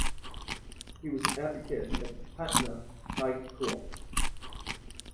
He was Advocate at Patna High Court.